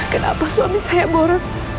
kenapa suami saya boros